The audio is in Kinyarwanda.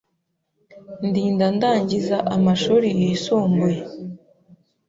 ndinda ndangiza amashuri yisumbuye.